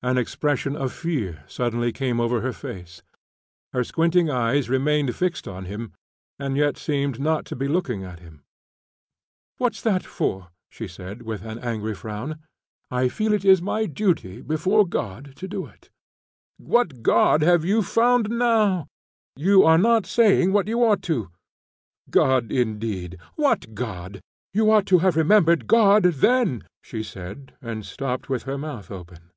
An expression of fear suddenly came over her face. Her squinting eyes remained fixed on him, and yet seemed not to be looking at him. "What's that for?" she said, with an angry frown. "I feel that it is my duty before God to do it." "What God have you found now? You are not saying what you ought to. God, indeed! What God? You ought to have remembered God then," she said, and stopped with her mouth open.